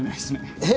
えっ？